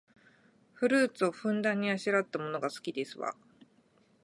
フルーツをふんだんにあしらったものが好きですわ